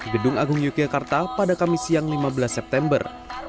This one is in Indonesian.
gedung agung yogyakarta pada kamis siang lima belas september